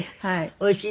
おいしい？